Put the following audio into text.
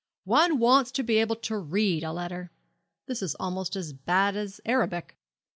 One wants to be able to read a letter. This is almost as bad as Arabic.